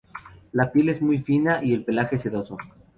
La piel es muy fina y el pelaje es sedoso.